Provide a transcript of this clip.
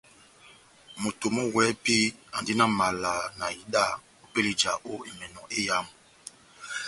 Moto mɔ́ wɛ́hɛ́pi andi na mala na ida ópɛlɛ ya ija ó emɛnɔ éyamu.